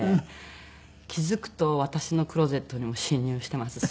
気付くと私のクローゼットにも侵入してますし。